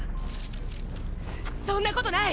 そんなことない！！